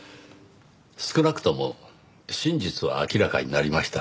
少なくとも真実は明らかになりました。